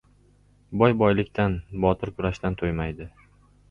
• Boy boylikdan, botir kurashdan to‘ymaydi.